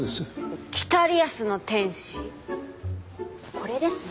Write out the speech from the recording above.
これですね。